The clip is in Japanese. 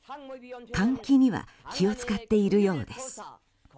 換気には気を使っているようです。